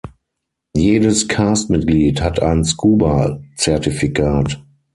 Jedes Castmitglied hat ein Scuba-Zertifikat.